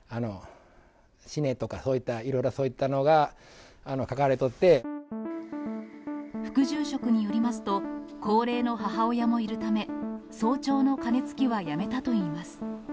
死ねとか、そういった、いろいろそういった副住職によりますと、高齢の母親もいるため、早朝の鐘つきはやめたといいます。